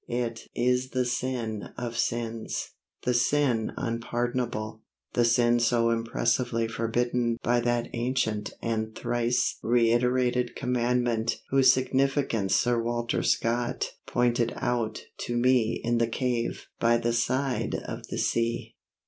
It is the sin of sins; the sin unpardonable; the sin so impressively forbidden by that ancient and thrice reiterated commandment whose significance Sir Walter Scott pointed out to me in the cave by the side of the sea.